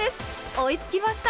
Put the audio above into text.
追いつきました。